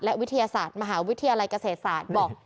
และวิทยาศาสตร์มหาวิทยาลัยเกษตรศาสตร์บอก